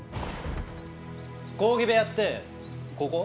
講義部屋ってここ？